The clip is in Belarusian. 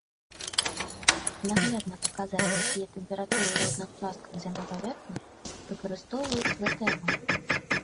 Каб наглядна паказаць, якія тэмпературы ў розных частках зямной паверхні, выкарыстоўваюць ізатэрмы.